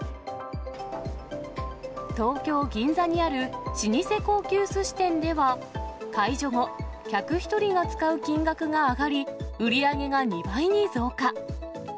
東京・銀座にある老舗高級すし店では、解除後、客１人が使う金額が上がり、売り上げが２倍に増加。